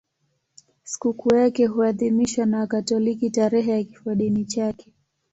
Sikukuu yake huadhimishwa na Wakatoliki tarehe ya kifodini chake.